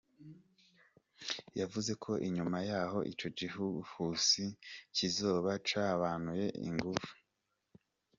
Yavuze ko inyuma yaho ico gihuhusi kizoba cagabanuye inguvu.